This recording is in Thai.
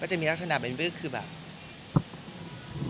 ก็จะมีลักษณะเป็นเบิ้คอย่าง